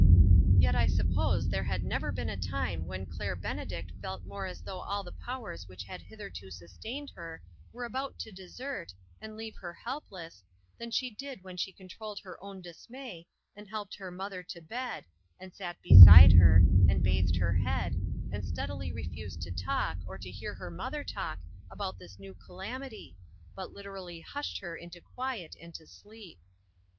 Yet I suppose there had never been a time when Claire Benedict felt more as though all the powers which had hitherto sustained her, were about to desert, and leave her help less, than she did when she controlled her own dismay, and helped her mother to bed, and sat beside her, and bathed her head, and steadily refused to talk, or to hear her mother talk, about this new calamity, but literally hushed her into quiet and to sleep.